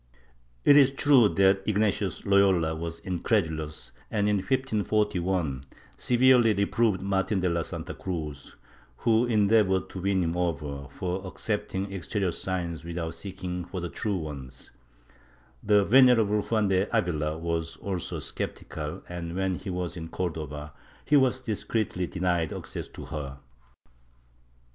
It is true that Ignatius Loyola was incredulous and, in 1541, severely reproved Martin de la Santa Cruz, who endeavored to win him over, for accepting exterior signs without seeking for the true ones; the Venerable Juan de Avila was also sceptical and, when he was in Cordova, he was discreetly denied access to her.